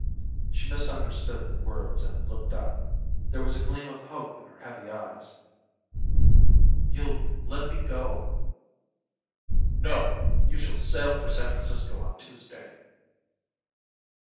She misunderstood the words and looked up. There was a gleam of hope in her heavy eyes. "You'll let me go?" "No. You shall sail for San Francisco on Tuesday."